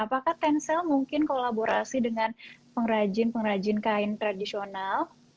apakah tensel mungkin kolaborasi dengan pengrajin pengrajin kain tradisional